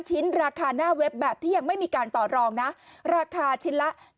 ชิ้นราคาหน้าเว็บแบบที่ยังไม่มีการต่อรองนะราคาชิ้นละ